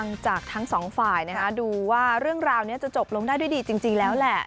ฟังจากทั้งสองฝ่ายดูว่าเรื่องราวก็จบลงได้ด้วยดีแล้ว